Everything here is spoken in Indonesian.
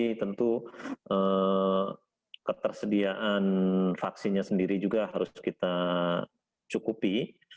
jadi tentu ketersediaan vaksinnya sendiri juga harus kita cukupi